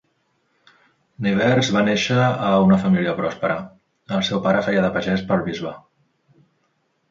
Nivers va néixer a una família pròspera: el seu pare feia de pagès pel bisbe.